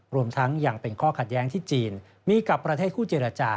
รวมทั้งยังเป็นข้อขัดแย้งที่จีนมีกับประเทศคู่เจรจา